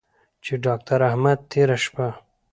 چې داکتر احمد تېره شپه